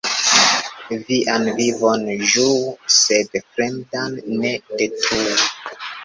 Vian vivon ĝuu, sed fremdan ne detruu.